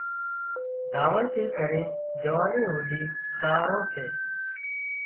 ڌاوڻ ٿِي ڪرينَ جوانِي هوڌي سهارو سي